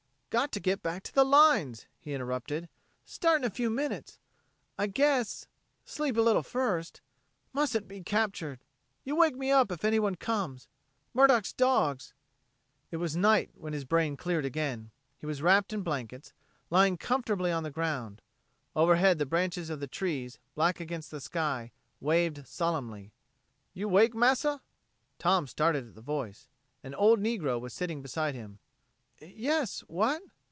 "Got to get back to the lines," he interrupted. "Start in a few minutes. I guess ... sleep a little first. Mustn't be captured. You wake me up if anyone comes. Murdock's dogs...." It was night when his brain cleared again. He was wrapped in blankets, lying comfortably on the ground. Overhead the branches of the trees, black against the sky, waved solemnly. "You 'wake, massah?" Tom started at the voice. An old negro was sitting beside him. "Yes what...?"